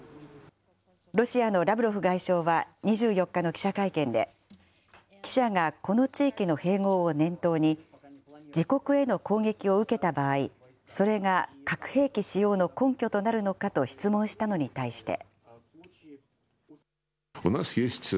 ロシアのラブロフ外相は２４日の記者会見で、記者がこの地域の併合を念頭に、自国への攻撃を受けた場合、それが核兵器使用の根拠となるのかと質問したのに対して。